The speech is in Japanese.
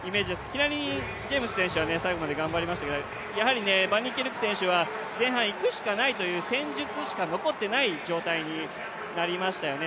キラニ・ジェームス選手は最後まで頑張りましたけどやはりバンニーキルク選手は前半いくしかないという戦術しか残ってない状態になりましたよね。